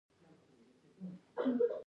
کاناډا امریکا ته تیل ورکوي.